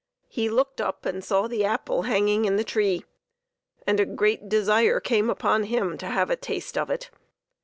He looked up and saw the apple hanging in the tree, and a great desire came upon him to have a taste of it.